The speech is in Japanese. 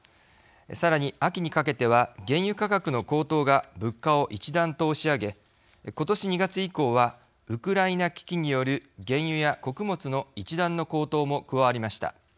さらに秋にかけては原油価格の高騰が物価を一段と押し上げことし２月以降はウクライナ危機による原油や穀物の一段の高騰も加わりました。